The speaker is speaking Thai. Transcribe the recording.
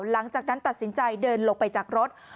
หลังจากนั้นตัดสินใจเดินลงไปจากรถ